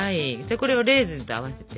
これをレーズンと合わせて。